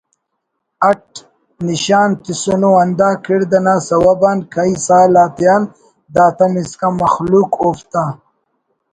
اٹ نشان تسونو اندا کڑد نا سوب آن کہی سال آتیان داتم اسکان مخلوق اوفتا